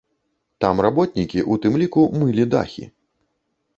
Там работнікі у тым ліку мылі дахі.